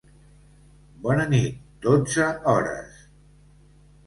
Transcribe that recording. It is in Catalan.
Bona nit, dotze hores!